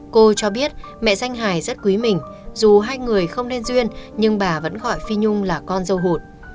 cô cho biết mẹ danh hải rất quý mình dù hai người không nên duyên nhưng bà vẫn gọi phi nhung là con dâu hộn